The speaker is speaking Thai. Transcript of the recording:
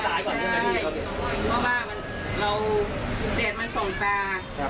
เราถูกเจ็ดมันส่องตา